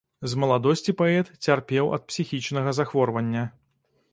З маладосці паэт цярпеў ад псіхічнага захворвання.